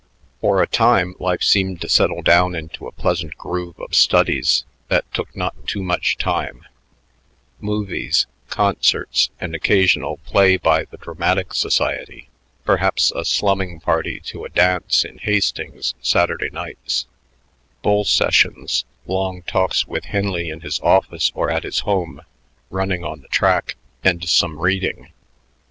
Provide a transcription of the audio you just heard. For a time life seemed to settle down into a pleasant groove of studies that took not too much time, movies, concerts, an occasional play by the Dramatic Society, perhaps a slumming party to a dance in Hastings Saturday nights, bull sessions, long talks with Henley in his office or at his home, running on the track, and some reading.